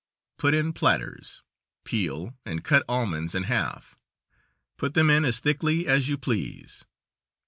Put in platters. Peel and cut almonds in half; put them in as thickly as you please.